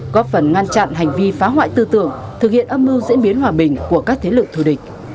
góp phần ngăn chặn hành vi phá hoại tư tưởng thực hiện âm mưu diễn biến hòa bình của các thế lực thù địch